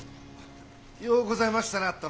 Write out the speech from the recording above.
ようございましたな殿。